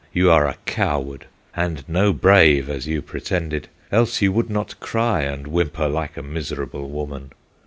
you are a coward; And no Brave, as you pretended; Else you would not cry and whimper Like a miserable woman!